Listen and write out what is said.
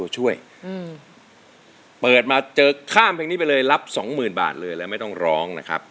ช่วยเปิดมาเจอข้ามเพลงนี้ไปเลยรับ๒๐๐๐บาทเลยแล้วไม่ต้องร้องนะครับ